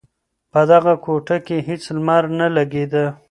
په دغه کوټه کې هېڅ لمر نه لگېده.